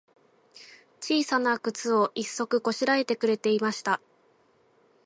ちいさなくつを、一足こしらえてくれていました。